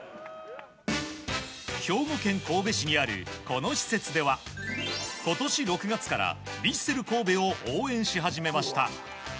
兵庫県神戸市にあるこの施設では今年６月からヴィッセル神戸を応援し始めました。